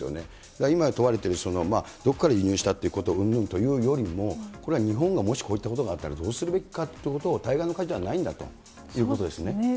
だから今、問われているどこから輸入したっていうことうんぬんというよりも、これは日本がもし、こういったことがあったら、どうするべきかということを、対岸の火事ではないんだというこそうですね。